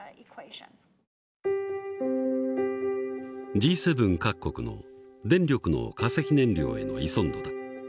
Ｇ７各国の電力の化石燃料への依存度だ。